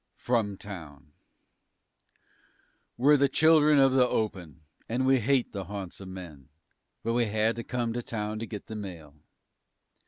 FROM TOWN We're the children of the open and we hate the haunts o' men, But we had to come to town to get the mail.